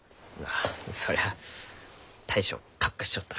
あそりゃあ大将カッカしちょったろう？